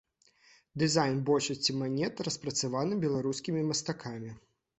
Дызайн большасці манет распрацаваны беларускімі мастакамі.